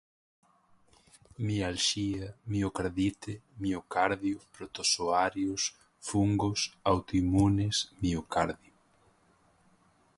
mialgia, miocardite, miocárdio, protozoários, fungos, autoimunes, miocárdio